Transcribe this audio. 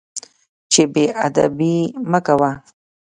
چې بې ادبي مه کوه.